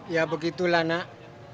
ya begitulah nak